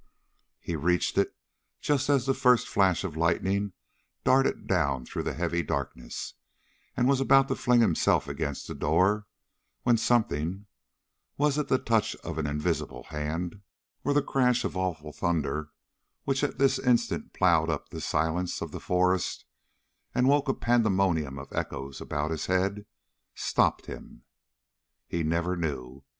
He reached it just as the first flash of lightning darted down through the heavy darkness, and was about to fling himself against the door, when something was it the touch of an invisible hand, or the crash of awful thunder which at this instant plowed up the silence of the forest and woke a pandemonium of echoes about his head? stopped him. He never knew.